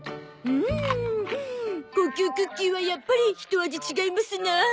うん高級クッキーはやっぱりひと味違いますな。